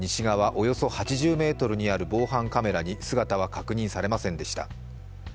およそ８０ｍにある防犯カメラに姿は確認されませんでした。